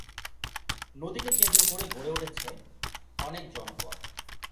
নদীকে কেন্দ্র করে গড়ে উঠেছে অনেক জনপদ।